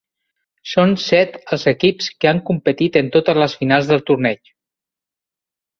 Són set els equips que han competit en totes les finals del torneig.